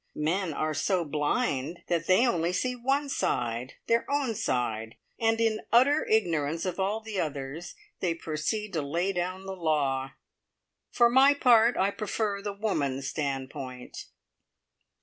Men are so blind that they only see one side their own side and in utter ignorance of all the others they proceed to lay down the law. For my part, I prefer the woman's standpoint."